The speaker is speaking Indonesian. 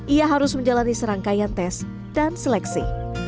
ia harus menjalani serangkaian tes dan seleksi